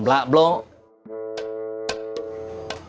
tidak kang bos